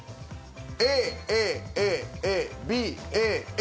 ＡＡＡＡＢＡＡ。